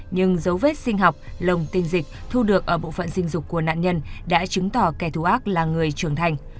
nhưng dấu vết sinh học lồng tình dịch thu được ở bộ phận sinh dục của nạn nhân đã chứng tỏ kẻ thù ác là người trưởng thành